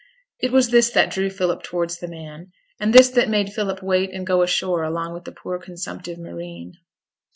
It was this that drew Philip towards the man; and this that made Philip wait and go ashore along with the poor consumptive marine.